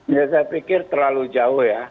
ya saya pikir terlalu jauh ya